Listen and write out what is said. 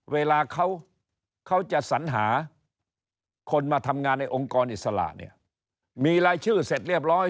เวลาเขาจะสัญหาคนมาทำงานในองค์กรอิสระเนี่ยมีรายชื่อเสร็จเรียบร้อย